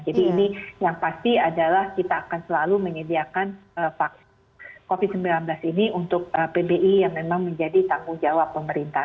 jadi ini yang pasti adalah kita akan selalu menyediakan vaksin covid sembilan belas ini untuk pbi yang memang menjadi tanggung jawab pemerintah